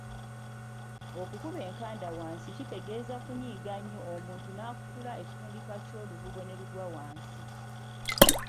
Okukuba enkanda wansi kitegeeza kunyiiga nnyo omuntu n'akutula ekifundikwa ky'olubugo ne lugwa wansi.